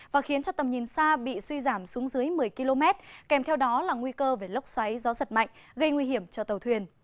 và khiến cho tầm nhìn xa bị suy giảm xuống dưới một mươi km kèm theo đó là nguy cơ về lốc xoáy gió giật mạnh gây nguy hiểm cho tàu thuyền